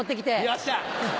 よっしゃ！